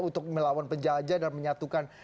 untuk melawan penjajah dan menyatukan